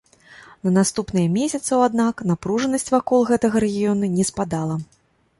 На наступныя месяцаў, аднак, напружанасць вакол гэтага рэгіёна не спадала.